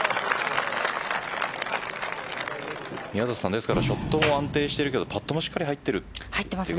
ですからショットも安定してるけどパットもしっかり入っているということですね。